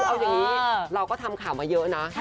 เอาอย่างนี้เราก็ทำข่าวมาเยอะนะ